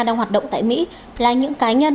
đang hoạt động tại mỹ là những cá nhân